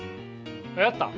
やったん？